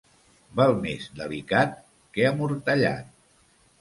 Val més delicat que amortallat.